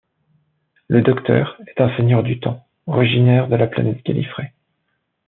Le Docteur est un Seigneur du Temps, originaire de la planète Gallifrey.